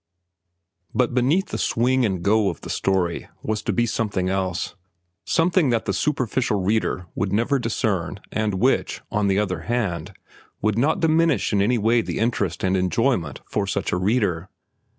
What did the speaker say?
But beneath the swing and go of the story was to be something else—something that the superficial reader would never discern and which, on the other hand, would not diminish in any way the interest and enjoyment for such a reader.